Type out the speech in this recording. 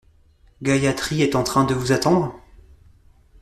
Gayathri est en train de vous attendre ?